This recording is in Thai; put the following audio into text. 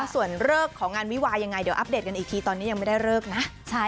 ส่วนเลิกของงานวิวายังไงเดี๋ยวอัปเดตกันอีกทีตอนนี้ยังไม่ได้เลิกนะ